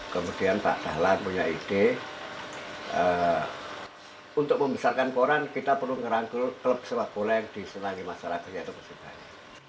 kemudian pak dahlan punya ide untuk membesarkan koran kita perlu merangkul sepak bola yang diselangi masyarakatnya yaitu persibaya